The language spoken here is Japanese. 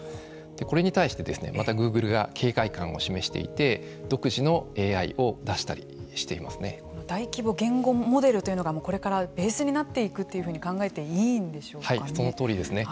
これに対してまたグーグルが警戒感を示していて独自のＡＩを大規模言語モデルというのが、これからベースになっていくというふうにそのとおりですね。